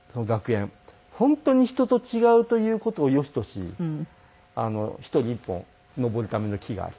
本当に人と違うという事を良しとし１人１本登るための木がある。